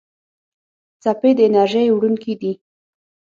څپې د انرژۍ وړونکي دي.